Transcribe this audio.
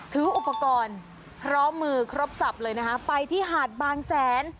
ถืออุปกรณ์พร้อมมือครบสับเลยนะคะไปที่หาดบางแสน